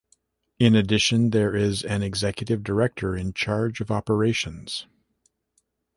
In addition, there is an Executive Director in charge of operations.